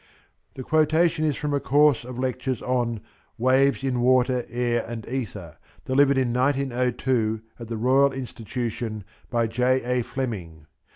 The quotation is from a course of lectures on "Waves in Water, Air and Ĉther," delivered in 1902, at the Royal Institution, by J. A. Fleming.